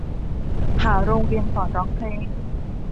หาโรงเรียนสอนร้องเพลง